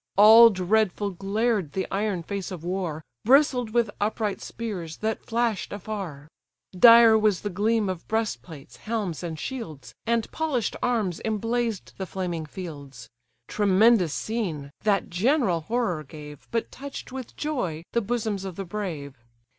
All dreadful glared the iron face of war, Bristled with upright spears, that flash'd afar; Dire was the gleam of breastplates, helms, and shields, And polish'd arms emblazed the flaming fields: Tremendous scene! that general horror gave, But touch'd with joy the bosoms of the brave.